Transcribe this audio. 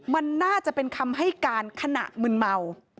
มันน่าจะเป็นคำให้การขณะมืนเมา